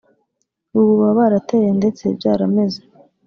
ubu baba barateye ndetse byarameze